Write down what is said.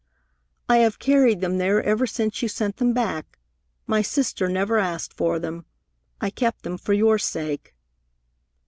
I have carried them there ever since you sent them back! My sister never asked for them. I kept them for your sake."